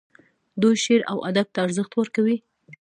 دوی شعر او ادب ته ارزښت ورکوي.